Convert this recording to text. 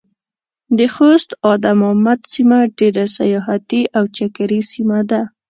د خوست ادمامد سيمه ډېره سياحتي او چکري سيمه ده.